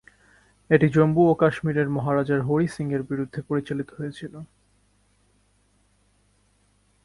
এটি জম্মু ও কাশ্মীরের মহারাজার হরি সিংয়ের বিরুদ্ধে পরিচালিত হয়েছিল।